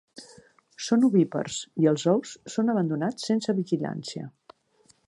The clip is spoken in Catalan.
Són ovípars i els ous són abandonats sense vigilància.